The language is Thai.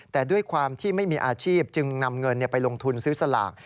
แต่ด้วยความที่ไม่มีอาชีพจึงนำเงินไปลงทุนซื้อสลาก